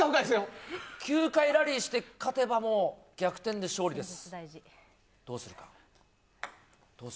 ９回ラリーして勝てば逆転で勝利です。